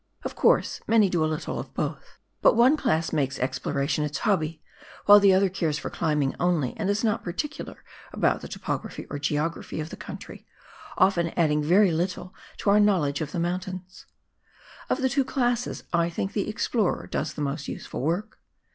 Of course many do a little of both. But one class makes ex ploration its hobby, while the other cares for climbing only, and is not particular about the topography or geography of the country, often adding very little to our knowledge of the mountains. Of the two classes I think the explorer does the most useful work.